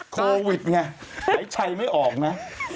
โควิดไงไหล่ชัยไม่ออกนะ